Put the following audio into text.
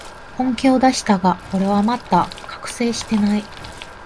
本気を出したが、俺はまだ覚醒してない